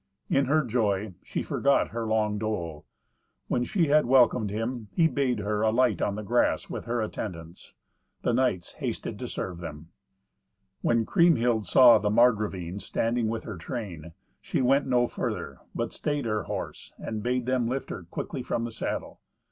In her joy she forgot her long dole. When she had welcomed him, he bade her alight on the grass with her attendants. The knights hasted to serve them. When Kriemhild saw the Margravine standing with her train, she went no further, but stayed her horse and bade them lift her quickly from the saddle.